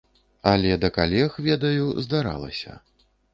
Але да калег, ведаю, здаралася.